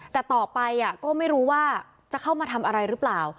แต่ต่อไปก็ไม่รู้ว่าจะเข้ามาทำอะไรหรือเปล่า